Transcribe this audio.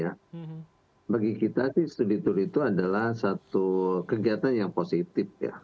jadi bagi kita studi tur itu adalah satu kegiatan yang positif